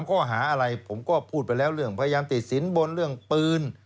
ข้อหาอะไรผมก็พูดไปแล้วเรื่องพยายามติดสินบนเรื่องปืน